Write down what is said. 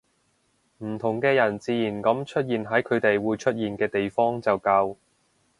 唔同嘅人自然噉出現喺佢哋會出現嘅地方就夠